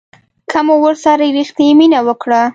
که مو ورسره ریښتینې مینه وکړه